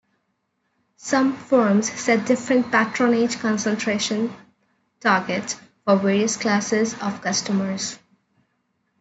Some firms set different patronage concentration targets for various classes of customers.